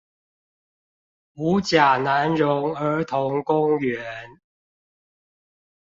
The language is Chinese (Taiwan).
五甲南榮兒童公園